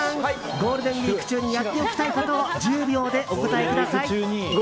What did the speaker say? ゴールデンウィーク中にやっておきたいことを１０秒でお答えください。